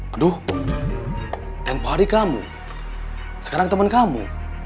aduh tempoh hari kamu sekarang temen kamu